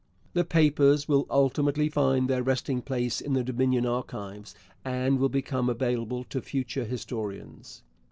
The papers will ultimately find their resting place in the Dominion Archives and will become available to future historians.